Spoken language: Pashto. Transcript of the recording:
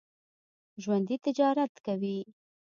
ژوندي تجارت کوي